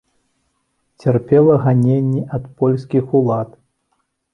Цярпела ганенні ад польскіх улад.